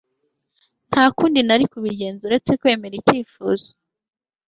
nta kundi nari kubigenza uretse kwemera icyifuzo